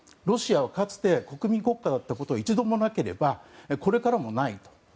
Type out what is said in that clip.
ロシアはかつて国民国家だったことは一度もなければこれからもないと。